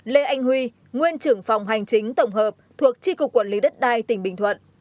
năm lê anh huy nguyên trưởng phòng hành chính tổng hợp thuộc tri cục quản lý đất đai tỉnh bình thuận